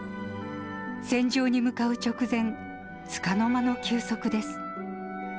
戦場に向かう直前、つかの間の休息です。